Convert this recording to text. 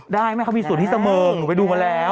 ได้มั้ยเขามีส่วนที่เสมอเขาไปดูมาแล้ว